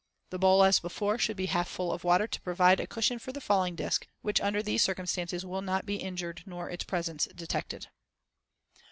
The bowl, as before, should be half full of water, to provide a cushion for the falling disc, which under these circumstances will not be injured, nor its presence detected.